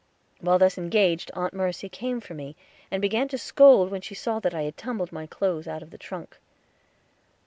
While thus engaged Aunt Mercy came for me, and began to scold when she saw that I had tumbled my clothes out of the trunk.